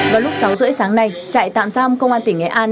vào lúc sáu h ba mươi sáng nay trại tạm giam công an tỉnh nghệ an